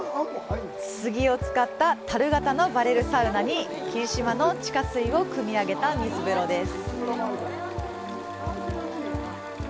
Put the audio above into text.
杉を使ったたる型のバレルサウナに霧島の地下水をくみあげた水風呂です。